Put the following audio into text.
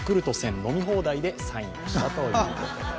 飲み放題でサインをしたということです。